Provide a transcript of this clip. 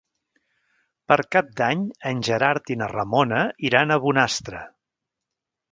Per Cap d'Any en Gerard i na Ramona iran a Bonastre.